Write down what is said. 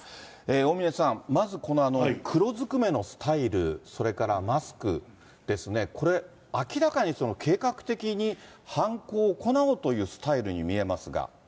大峯さん、まずこの黒ずくめのスタイル、それからマスクですね、これ、明らかにその計画的に犯行を行おうというスタイルに見えますが。